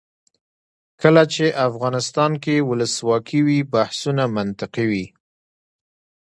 کله چې افغانستان کې ولسواکي وي بحثونه منطقي وي.